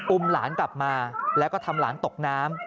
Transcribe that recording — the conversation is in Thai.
หลานกลับมาแล้วก็ทำหลานตกน้ำ